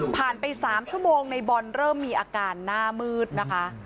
ไป๓ชั่วโมงในบอลเริ่มมีอาการหน้ามืดนะคะ